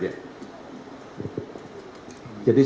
jadi setelah saya pertandingan ini